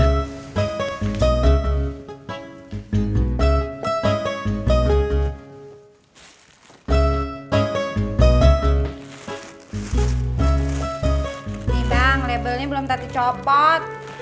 ini bang labelnya belum tadi copot